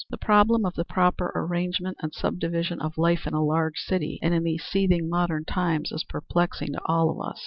The problem of the proper arrangement and subdivision of life in a large city and in these seething, modern times is perplexing to all of us.